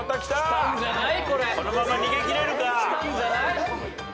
きたんじゃない？